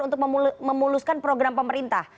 untuk memuluskan program pemerintah